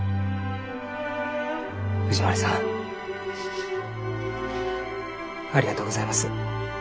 藤丸さんありがとうございます。